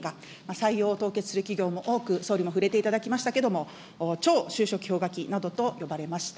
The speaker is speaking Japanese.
採用を凍結する企業も多く、総理も触れていただきましたけれども、超就職氷河期などと呼ばれました。